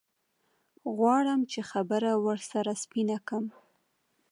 غواړم چې خبره ورسره سپينه کم.